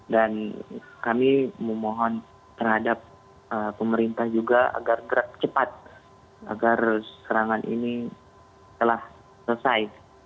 dan kami memohon terhadap pemerintah juga agar cepat agar serangan ini telah selesai